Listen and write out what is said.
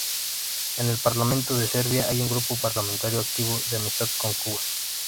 En el parlamento de Serbia hay un grupo parlamentario activo de amistad con Cuba.